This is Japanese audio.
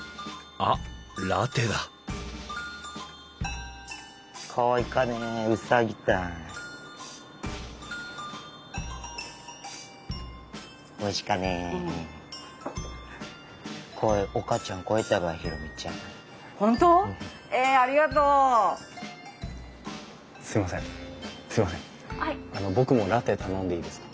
あの僕もラテ頼んでいいですか。